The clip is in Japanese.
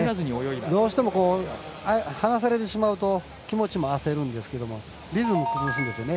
どうしても離されてしまうと気持ちも焦るんですけどリズム、崩すんですよね。